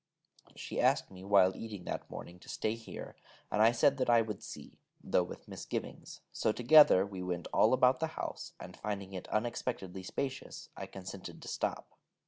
She asked me while eating that morning to stay here, and I said that I would see, though with misgiving: so together we went all about the house, and finding it unexpectedly spacious, I consented to stop.